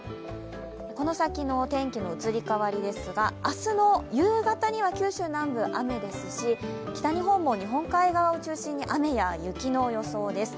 この先の天気の移り変わりですが、明日の夕方には九州南部、雨ですし北日本も日本海側を中心に雨や雪の予想です。